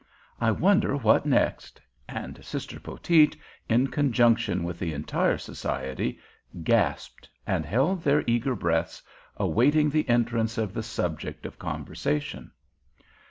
I wonder what next," and Sister Poteet, in conjunction with the entire society, gasped and held their eager breaths, awaiting the entrance of the subject of conversation.